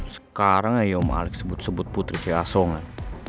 sekarang aja om alex sebut sebut putri kayak asongan